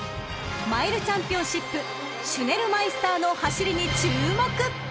［マイルチャンピオンシップシュネルマイスターの走りに注目！］